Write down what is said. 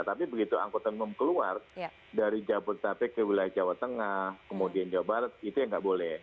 tapi begitu angkutan umum keluar dari jabodetabek ke wilayah jawa tengah kemudian jawa barat itu yang nggak boleh